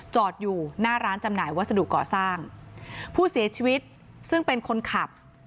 จอดอยู่หน้าร้านจำหน่ายวัสดุก่อสร้างผู้เสียชีวิตซึ่งเป็นคนขับ